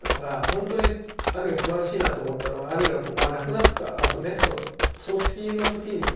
ほんとに兄がすばらしいなと思ったのが兄が亡くなったあとね葬式のときにね